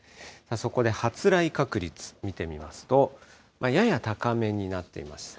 そこで発雷確率、見てみますと、やや高めになっています。